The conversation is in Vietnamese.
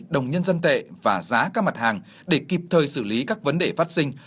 đồng nhân dân tệ và giá các mặt hàng để kịp thời xử lý các vấn đề phát sinh